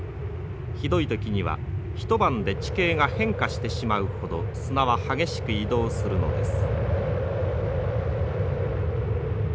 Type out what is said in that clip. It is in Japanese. ひどい時には一晩で地形が変化してしまうほど砂は激しく移動するのです。